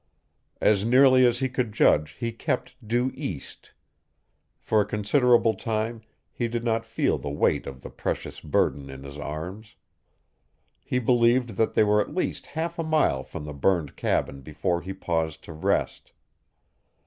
As nearly as he could judge he kept due east. For a considerable time he did not feel the weight of the precious burden in his arms. He believed that they were at least half a mile from the burned cabin before he paused to rest.